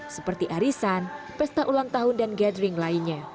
seperti arisan pesta ulang tahun dan gathering lainnya